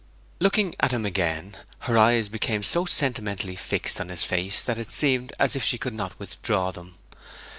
Looking again at him, her eyes became so sentimentally fixed on his face that it seemed as if she could not withdraw them.